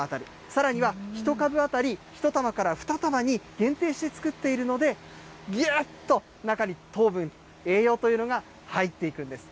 さらには１株当たり１玉から２玉に限定して作っているので、ぎゅーっと中に糖分、栄養というのが入っていくんです。